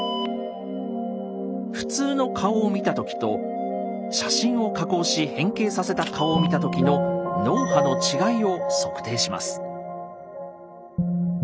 普通の顔を見た時と写真を加工し変形させた顔を見た時の脳波の違いを測定します。